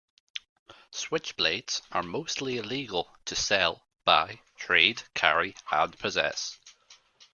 Switchblades are mostly illegal to sell, buy, trade, carry and possess.